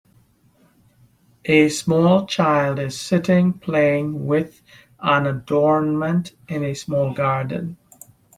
A small child is sitting playing with an adornment in a small garden.